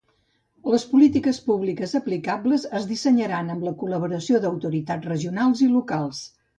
Les polítiques públiques aplicables es dissenyaran amb la col·laboració d'autoritats regionals i locals.